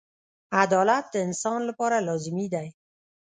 • عدالت د انسان لپاره لازمي دی.